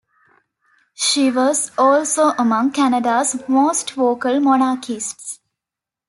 She was also among Canada's most vocal monarchists.